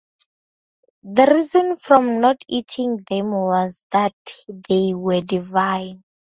The reason for not eating them was that they were divine.